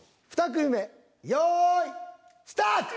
２組目用意スタート！